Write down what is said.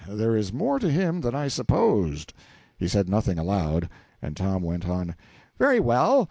There is more to him than I supposed." He said nothing aloud, and Tom went on: "Very well.